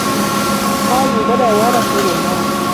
قَالُوا بَلَى يَا رَسُولَ اللَّهِ